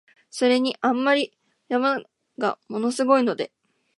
それに、あんまり山が物凄いので、